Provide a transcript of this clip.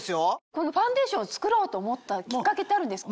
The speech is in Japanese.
このファンデーションを作ろうと思ったきっかけってあるんですか？